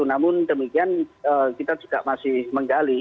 namun demikian kita juga masih menggali